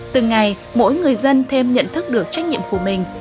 từng ngày mỗi người dân thêm nhận thức được trách nhiệm của mình